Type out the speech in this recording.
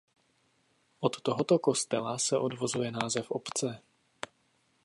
Od tohoto kostela se odvozuje název obce.